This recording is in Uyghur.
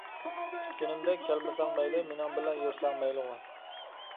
كۈتكىنىمدە كەلمىسەڭ مەيلى، مىنىڭ بىلەن يۈرسەڭ مەيلىغۇ.